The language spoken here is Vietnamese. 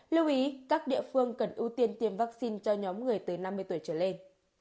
lưu ý các địa phương cần ưu tiên tiêm vaccine cho nhóm người từ năm mươi tuổi trở lên